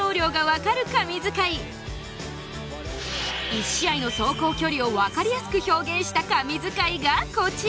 １試合の走行距離をわかりやすく表現した神図解がこちら！